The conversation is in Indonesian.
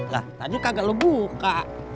lah tajuk kagak lo buka